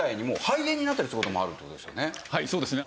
はいそうですね。